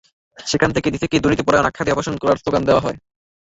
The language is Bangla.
সেখান থেকে ডিসিকে দুর্নীতিপরায়ণ আখ্যা দিয়ে অপসারণ চেয়ে স্লোগান দেওয়া হয়।